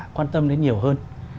quan tâm đến nhiều hơn